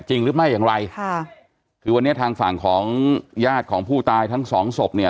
จริงหรือไม่อย่างไรค่ะคือวันนี้ทางฝั่งของญาติของผู้ตายทั้งสองศพเนี่ย